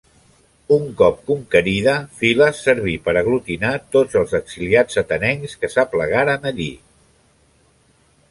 Un cop conquerida, Files serví per aglutinar tots els exiliats atenencs que s'aplegaren allí.